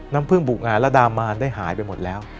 น้ำพึ่งบุกงานและดามานได้หายไปหมดแล้ว